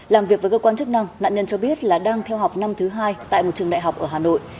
làm việc với cơ quan chức năng nạn nhân cho biết là đang theo học năm thứ hai tại một trường đại học ở hà nội